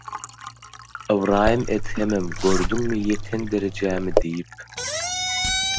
Ybraýym Edhemem “Gördüňmi ýeten derejämi?” diýip